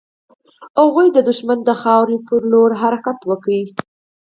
هغوی د دښمن د خاورې پر لور يې حرکت وکړ.